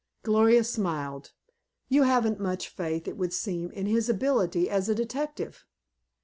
Gloria smiled. "You haven't much faith, it would seem, in his ability as a detective.